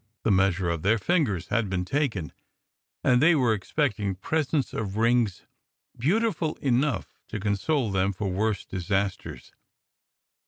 The measure of their fingers had been taken, and they were expecting presents of rings beautiful enough to console them for worse disas ters.